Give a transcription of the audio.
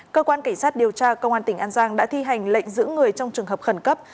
cơ quan cảnh sát điều tra công an tỉnh an giang đã thi hành lệnh giữ người trong trường hợp khẩn cấp